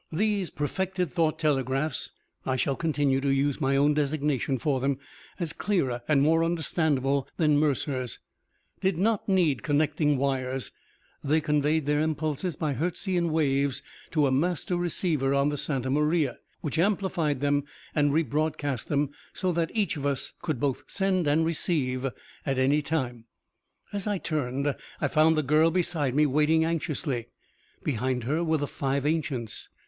These perfected thought telegraphs (I shall continue to use my own designation for them, as clearer and more understandable than Mercer's) did not need connecting wires; they conveyed their impulses by Hertzian waves to a master receiver on the Santa Maria, which amplified them and re broadcast them so that each of us could both send and receive at any time. As I turned, I found the girl beside me, waiting anxiously. Behind her were the five ancients.